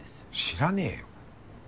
知らねぇよ。